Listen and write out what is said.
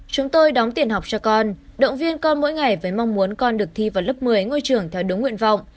chúng tôi đóng tiền học cho con động viên con mỗi ngày với mong muốn con được thi vào lớp một mươi ngôi trường theo đúng nguyện vọng